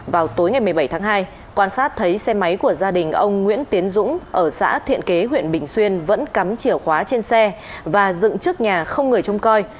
vào tối ngày một mươi bảy tháng hai quan sát thấy xe máy của gia đình ông nguyễn tiến dũng ở xã thiện kế huyện bình xuyên vẫn cắm chìa khóa trên xe và dựng trước nhà không người trông coi